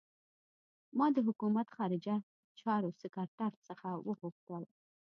ما د حکومت خارجه چارو سکرټر څخه وغوښتل.